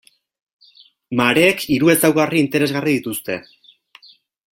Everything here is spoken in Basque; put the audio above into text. Mareek hiru ezaugarri interesgarri dituzte.